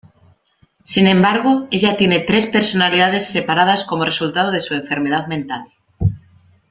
Sin embargo, ella tiene tres personalidades separadas como resultado de su enfermedad mental.